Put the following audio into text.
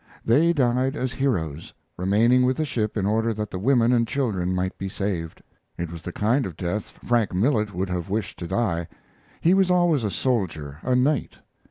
They died as heroes, remaining with the ship in order that the women and children might be saved. It was the kind of death Frank Millet would have wished to die. He was always a soldier a knight.